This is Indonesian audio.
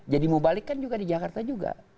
jadi mau balik kan di jakarta juga